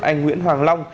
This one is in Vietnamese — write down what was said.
anh nguyễn hoàng long